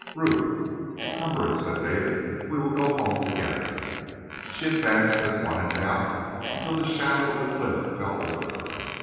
"Ruth." "Come, Ruth," said David, "we will go home together." She advanced as one in doubt until the shadow of the cliff fell over her.